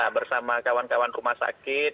bersama kawan kawan rumah sakit